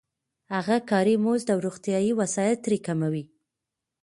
هغه کاري مزد او روغتیايي وسایل ترې کموي